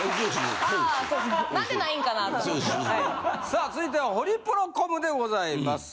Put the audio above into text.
さあ続いてはホリプロコムでございます。